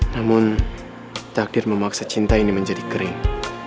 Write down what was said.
namun takdir memaksa cinta ini menjadi kering